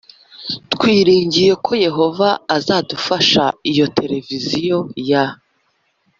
Twiringiye ko Yehova azadufasha iyo televiziyo ya